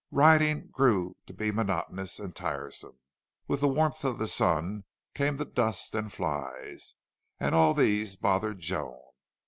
Riding grew to be monotonous and tiresome. With the warmth of the sun came the dust and flies, and all these bothered Joan.